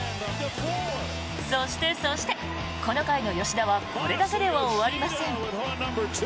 そしてそして、この回の吉田はこれだけでは終わりません。